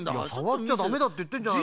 さわっちゃダメだっていってんじゃないかよ。